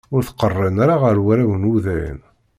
Ur t-qeṛṛen ara ar warraw n wudayen.